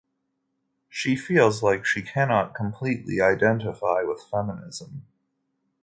She feels like she cannot completely identify with feminism.